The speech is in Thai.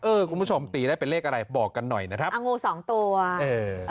คุณผู้ชมตีได้เป็นเลขอะไรบอกกันหน่อยนะครับอ่างูสองตัวเออ